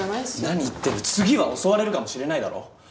何言ってる次は襲われるかもしれないだろ？